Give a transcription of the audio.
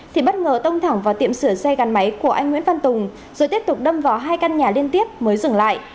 thì bất ngờ tông thẳng vào tiệm sửa xe gắn máy của anh nguyễn văn tùng rồi tiếp tục đâm vào hai căn nhà liên tiếp mới dừng lại